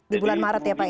di bulan maret ya pak ya